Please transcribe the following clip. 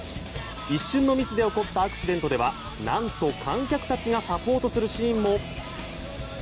一瞬のミスで起こったアクシデントでは何と観客たちがサポートするシーンも。